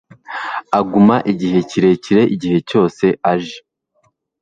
aguma igihe kirekire igihe cyose aje